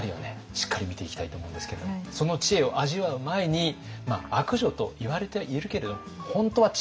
しっかり見ていきたいと思うんですけどその知恵を味わう前に悪女といわれてはいるけれど本当は違ったかもしれない。